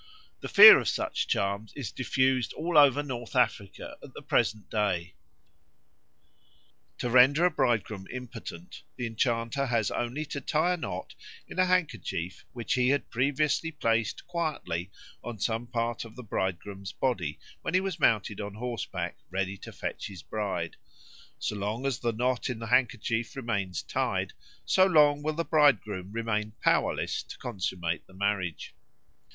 The fear of such charms is diffused all over North Africa at the present day. To render a bridegroom impotent the enchanter has only to tie a knot in a handkerchief which he had previously placed quietly on some part of the bridegroom's body when he was mounted on horseback ready to fetch his bride: so long as the knot in the handkerchief remains tied, so long will the bridegroom remain powerless to consummate the marriage.